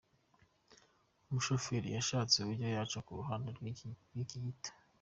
Umushoferi yashatse uburyo yaca ku ruhande rw’icyo giti.”